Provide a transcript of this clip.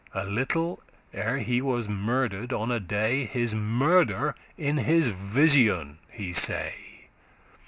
A little ere he was murder'd on a day, His murder in his vision he say.